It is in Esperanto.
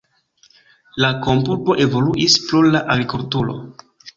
La kampurbo evoluis pro la agrikulturo.